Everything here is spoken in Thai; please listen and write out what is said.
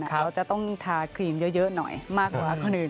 เราจะต้องทาครีมเยอะหน่อยมากกว่าคนอื่น